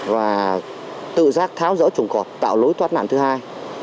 và tự giác tháo rỡ trùng cọp tạo lối thoát nạn thứ hai